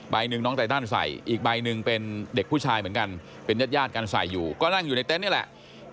หนึ่งน้องไตตันใส่อีกใบหนึ่งเป็นเด็กผู้ชายเหมือนกันเป็นญาติญาติกันใส่อยู่ก็นั่งอยู่ในเต็นต์นี่แหละ